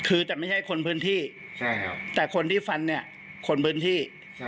คือจะไม่ใช่คนพื้นที่แต่คนที่ฟันเนี่ยคนพื้นที่